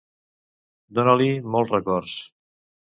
Dona-li molts records.